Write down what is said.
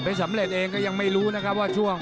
สำเร็จเองก็ยังไม่รู้นะครับว่าช่วง